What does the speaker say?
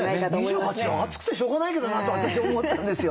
２８度暑くてしょうがないけどなと私思ってたんですよ。